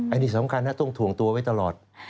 อันนี้สำคัญต้องถ่วงตัวไว้ตลอด